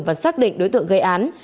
và xác định đối tượng gây án